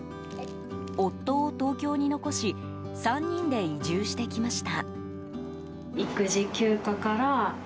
夫を東京に残し３人で移住してきました。